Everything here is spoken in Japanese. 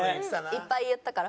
いっぱい言ったから？